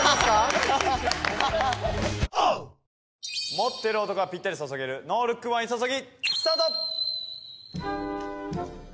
持ってる男はぴったり注げるノールックワイン注ぎ。